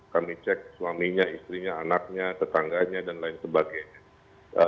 kami cek suaminya istrinya anaknya tetangganya dan lain sebagainya